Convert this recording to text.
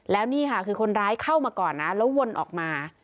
แล้วนี่ค่ะคือคนร้ายเข้ามาก่อนนะแล้ววนออกมา